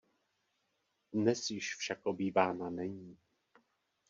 Dnes již však obývána není.